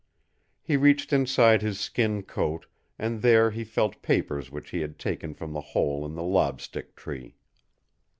He reached inside his skin coat and there he felt papers which he had taken from the hole in the lob stick tree.